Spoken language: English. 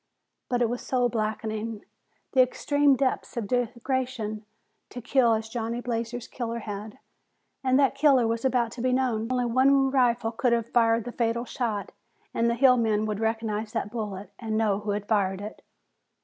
But it was soul blackening, the extreme depths of degradation, to kill as Johnny Blazer's killer had, and that killer was about to be known. Only one rifle could have fired the fatal shot, and the hill men would recognize that bullet and know who had fired it.